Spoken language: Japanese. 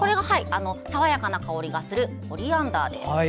爽やかな香りがするコリアンダー。